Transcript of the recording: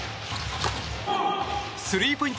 スリーポイント